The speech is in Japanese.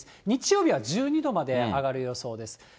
日曜日は１２度まで上がる予想です。